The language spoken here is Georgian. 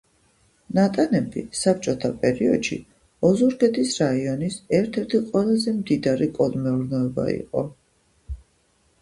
ნატანები საბჭოთა პერიოდში ოზურგეთის რაიონის ერთ-ერთი ყველაზე მდიდარი კოლმეურნეობა იყო.